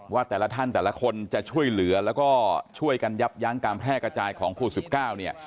ว่าแต่ละท่านแต่ละคนจะช่วยเหลือแล้วก็ช่วยกันยับยั้งการแพร่กระจายของโควิด๑๙เนี่ย